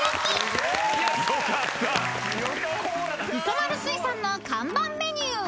［磯丸水産の看板メニュー］